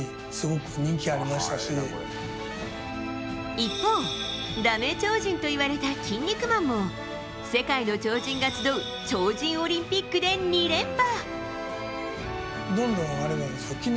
一方、ダメ超人といわれたキン肉マンも世界の超人が集う超人オリンピックで２連覇！